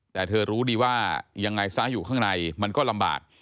แต่เธอรู้ดีว่ายังไงซะอยู่ข้างในมันก็ลำบาก